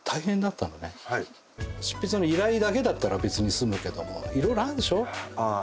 執筆の依頼だけだったら別に済むけども色々あるでしょ。